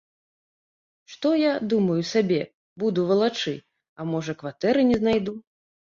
Што я, думаю сабе, буду валачы, а можа, кватэры не знайду.